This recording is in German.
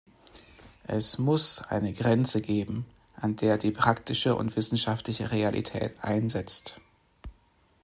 Es muss eine Grenze geben, an der die praktische und wissenschaftliche Realität einsetzt.